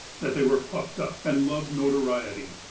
That they were puffed up, and loved noto riety.